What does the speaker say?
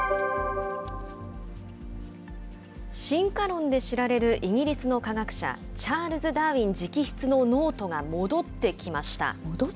進化論で知られるイギリスの科学者、チャールズ・ダーウィン直筆のノートが戻ってきました。